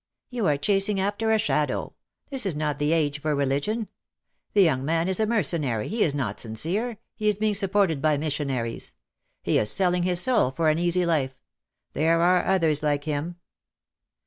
"You are chasing after a shadow ! This is not the age for religion. The young man is a mercenary, he is not sincere, he is being sup ported by missionaries. He is selling his soul for an easy life! There are others like him."